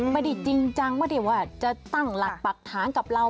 ไม่ได้จริงจังไม่ได้ว่าจะตั้งหลักปรักฐานกับเรา